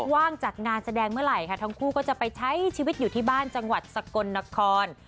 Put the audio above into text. ว่างจากงานแสดงเมื่อไหร่ค่ะทั้งคู่ก็จะไปใช้ชีวิตอยู่ที่บ้านจังหวัดสกลนคร